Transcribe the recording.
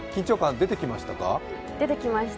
出てきました。